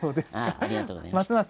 ありがとうございます。